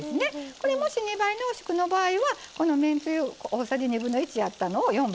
これもし２倍濃縮の場合はこのめんつゆ大さじ1/2やったのを４倍のとき。